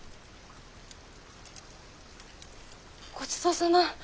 ごちそうさま。